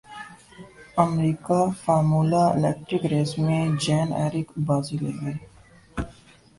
امریکہ formula electric race میں Jean Eric بازی لے گئے